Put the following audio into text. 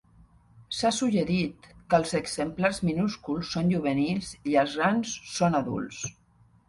S'ha suggerit que els exemplars minúsculs són juvenils i els grans són adults.